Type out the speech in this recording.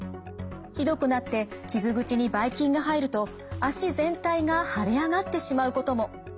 ひどくなって傷口にばい菌が入ると足全体が腫れ上がってしまうことも。